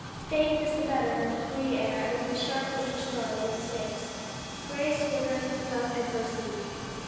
'Faith is the better of the free air and of the sharp winter storm in its face. Grace withereth without adversity.'"